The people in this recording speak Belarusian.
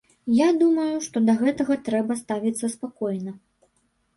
Я думаю, што да гэтага трэба ставіцца спакойна.